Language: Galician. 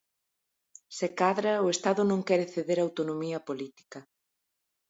Se cadra o Estado non quere ceder autonomía política.